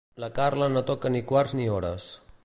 La Carla no toca ni quarts ni hores.